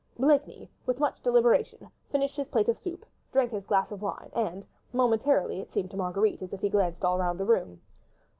Blakeney, with much deliberation, finished his plate of soup, drank his glass of wine, and, momentarily, it seemed to Marguerite as if he glanced quickly all round the room.